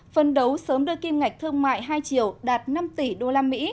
phân đấu sớm đưa kim ngạch thương mại hai triệu đạt năm tỷ usd